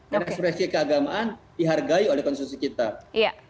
dan ekspresi keagamaan dihargai oleh konstitusi kita